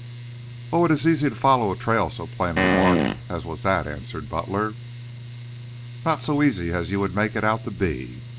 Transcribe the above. "Oh, it is easy to follow a trail so plainly marked as was that," answered Butler. "Not so easy as you would make it out to be.